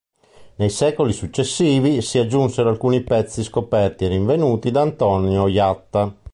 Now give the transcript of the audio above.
Nei secoli successivi si aggiunsero alcuni pezzi scoperti e rinvenuti da Antonio Jatta.